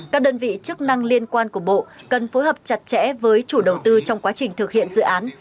các đơn vị chức năng liên quan của bộ cần phối hợp chặt chẽ với chủ đầu tư trong quá trình thực hiện dự án